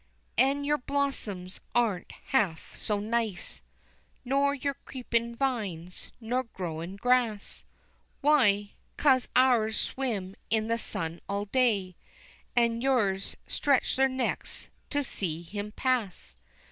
An' your blossoms aren't half so nice, Nor your creepin' vines, nor growin' grass, Why! 'cause ours swim in the sun all day, An' yours stretch their necks to see him pass.